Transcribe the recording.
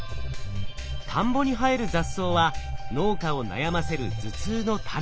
田んぼに生える雑草は農家を悩ませる頭痛の種。